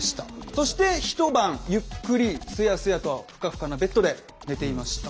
そして一晩ゆっくりすやすやとふかふかのベッドで寝ていました。